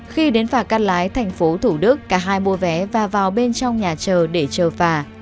khi đến phạc cắt lái tp thủ đức cả hai mua vé và vào bên trong nhà chờ để chờ phà